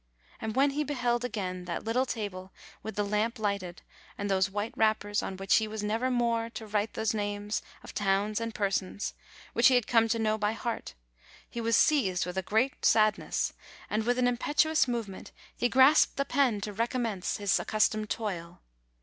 And when he beheld again that little table with the lamp lighted and those white wrappers on which he was never more to write those names of towns and persons, which he had come to know by heart, he was seized with a great sadness, and with an impetuous movement he grasped the pen to recommence his accustomed toil.